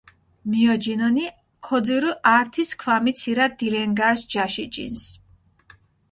მიოჯინჷნი, ქოძირჷ ართი სქვამი ცირა დილენგარს ჯაში ჯინს.